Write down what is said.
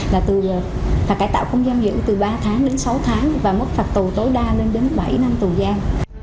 là từ phạt cải tạo không giam giữ từ ba tháng đến sáu tháng và mức phạt tù tối đa lên đến bảy năm tù giam